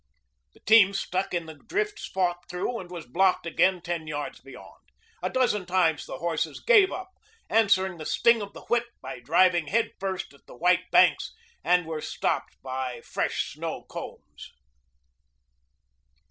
The team stuck in the drifts, fought through, and was blocked again ten yards beyond. A dozen times the horses gave up, answered the sting of the whip by diving head first at the white banks, and were stopped by fresh snow combs.